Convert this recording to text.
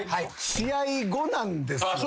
試合後なんですよね。